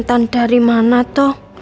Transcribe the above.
tante dari mana toh